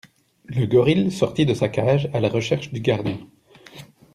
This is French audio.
Le gorille sortit de sa cage, à la recherche du gardien.